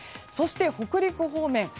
そして、北陸方面。